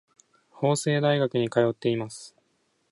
法政大学に通っています。